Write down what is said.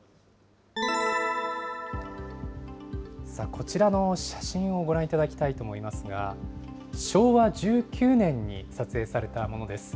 こちらの写真をご覧いただきたいと思いますが、昭和１９年に撮影されたものです。